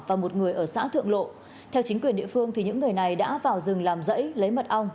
và một người ở xã thượng lộ theo chính quyền địa phương những người này đã vào rừng làm rẫy lấy mật ong